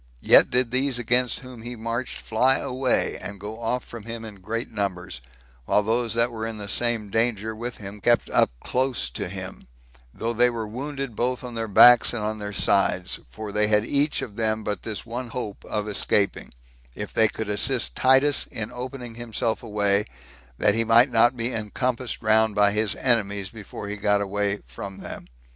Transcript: Yet did these against whom he marched fly away, and go off from him in great numbers; while those that were in the same danger with him kept up close to him, though they were wounded both on their backs and on their sides; for they had each of them but this one hope of escaping, if they could assist Titus in opening himself a way, that he might not be encompassed round by his enemies before he got away from them.